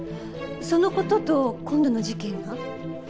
その事と今度の事件が？